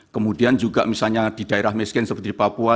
kemudian juga misalnya di daerah miskin seperti di papua